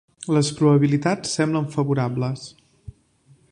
Les probabilitats semblen favorables.